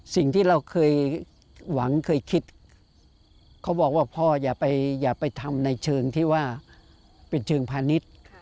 สิ่งที่เราเคยหวังเคยคิดเขาบอกว่าพ่ออย่าไปทำในเชิงที่ว่าเป็นเชิงพาณิชย์